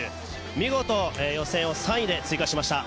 見事、予選を３位で通過しました。